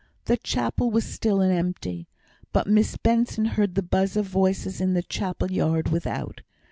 The chapel was still and empty; but Miss Benson heard the buzz of voices in the chapel yard without.